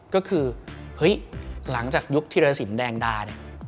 ก็คือหลังจากยุคธิรสินแดงดา